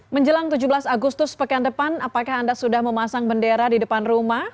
menjelang tujuh belas agustus pekan depan apakah anda sudah memasang bendera di depan rumah